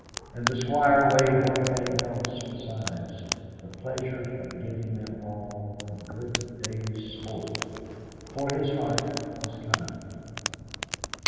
And the Squire weighed one thing else besides the pleasure of giving them all a good day's sport, for his heart was kind.